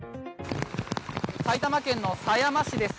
埼玉県の狭山市です。